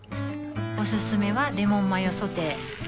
おすすめはレモンマヨソテー